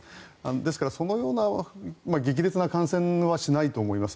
ですから、そのような激烈な感染はしないと思います。